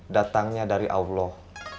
datangnya dari allah